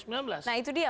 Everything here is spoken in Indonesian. nah itu dia